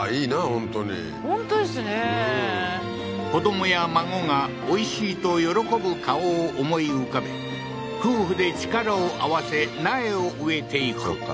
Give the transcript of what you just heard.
うん子どもや孫がおいしいと喜ぶ顔を思い浮かべ夫婦で力を合わせ苗を植えていくそっか